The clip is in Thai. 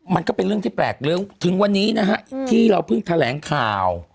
มันก็เป็นเรื่องที่แปลกเรื่องถึงวันนี้นะฮะที่เราเพิ่งแถลงข่าว